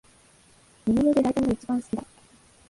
煮物で大根がいちばん好きだ